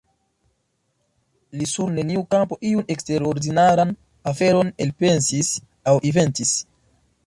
Li sur neniu kampo iun eksterordinaran aferon elpensis aŭ inventis.